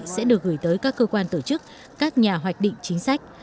sẽ được gửi tới các cơ quan tổ chức các nhà hoạch định chính sách